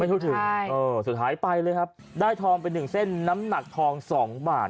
ทั่วถึงสุดท้ายไปเลยครับได้ทองไปหนึ่งเส้นน้ำหนักทอง๒บาท